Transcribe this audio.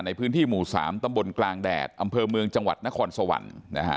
ในพื้นที่หมู่๓ตำบลกลางแดดอำเภอเมืองจังหวัดนครสวรรค์